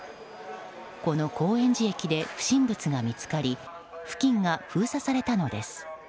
この高円寺駅で不審物が見つかり付近が封鎖されたのです。